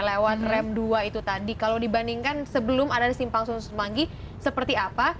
lewat rem dua itu tadi kalau dibandingkan sebelum ada di simpang susun semanggi seperti apa